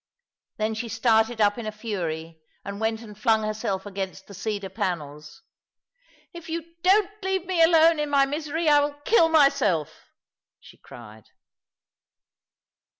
Then she started up in a fury, and went and flung herself against the cedar pands. " If you don't leave me alone in my misery I will kill myself 1 " she cried.